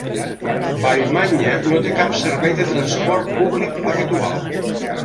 Vallmanya no té cap servei de transport públic habitual.